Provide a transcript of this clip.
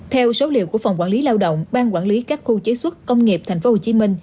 theo số liệu của phòng quản lý lao động ban quản lý các khu chế xuất công nghiệp tp hcm